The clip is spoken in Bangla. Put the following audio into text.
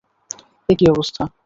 এ কী অবস্থা।